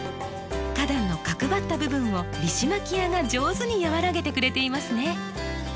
花壇の角ばった部分をリシマキアが上手に和らげてくれていますね。